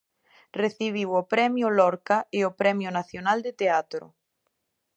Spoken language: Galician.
Recibiu o Premio Lorca e o Premio Nacional de Teatro.